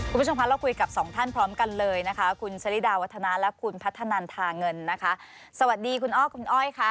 คุณผู้ชมคะเราคุยกับสองท่านพร้อมกันเลยนะคะคุณสริดาวัฒนาและคุณพัฒนันทาเงินนะคะสวัสดีคุณอ้อคุณอ้อยค่ะ